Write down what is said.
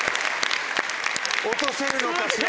「落とせるのかしら」